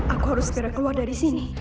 aku harus segera keluar dari sini